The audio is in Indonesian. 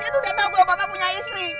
dia tuh udah tau gue papa punya istri